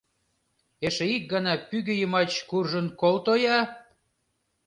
Эше ик гана пӱгӧ йымач куржын колто-я!»